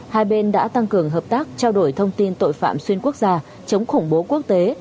hai bên đã tăng cường hợp tác trao đổi thông tin tội phạm xuyên quốc gia chống khủng bố quốc tế